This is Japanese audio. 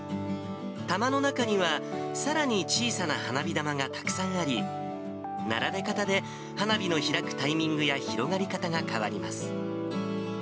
玉の中には、さらに小さな花火玉がたくさんあり、並べ方で、花火の開くタイミングや広がり方が変わります。